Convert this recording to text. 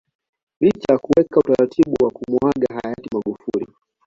Licha ya kuweka utaratibu wa kumuaga Hayati Magufuli